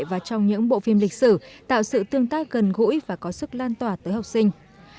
và trong những bộ phim lịch sử tạo sự tương tác gần gũi và có sức lan tỏa tới học sinh